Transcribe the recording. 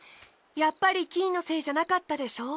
やっぱりキイのせいじゃなかったでしょ？